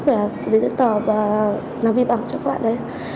chỉ để tất tỏ và làm việc ảo cho các bạn đấy